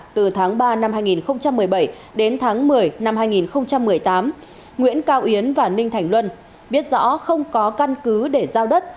từ tháng ba năm hai nghìn một mươi bảy đến tháng một mươi năm hai nghìn một mươi tám nguyễn cao yến và ninh thành luân biết rõ không có căn cứ để giao đất